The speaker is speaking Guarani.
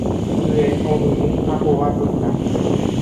Hye hovyũ ha hova pytã